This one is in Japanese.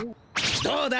どうだ？